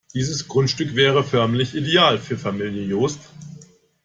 Dieses Grundstück wäre förmlich ideal für Familie Jost.